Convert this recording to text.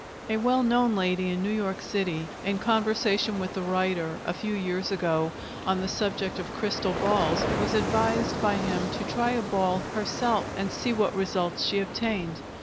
A well known lady in New York City, in conversation with the writer, a few years ago, on the subject of crystal balls, was advised by him to try a ball herself and see what results she obtained.